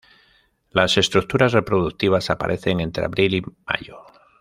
Las estructuras reproductivas aparecen entre abril y mayo.